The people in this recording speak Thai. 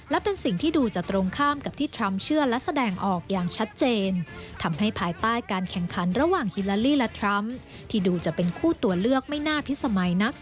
และเป็นสิ่งที่ดูจะตรงข้ามกับที่ทรัมพ์เชื่อและแสดงออกอย่างชัดเจน